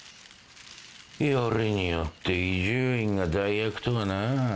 よりによって伊集院が代役とはな。